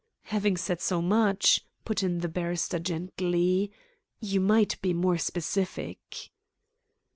"Having said so much," put in the barrister gently, "you might be more specific."